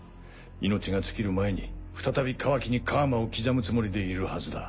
命が尽きる前に再びカワキに楔を刻むつもりでいるはずだ。